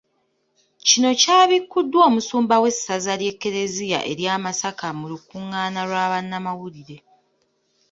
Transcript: Kino kyabikkuddwa Omusumba w’essaza lya kkereziya erya Masaka mu lukungaana lwa bannamawulire.